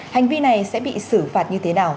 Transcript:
hành vi này sẽ bị xử phạt như thế nào